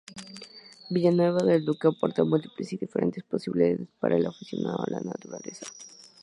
Villanueva del Duque aporta múltiples y diferentes posibilidades para el aficionado a la naturaleza.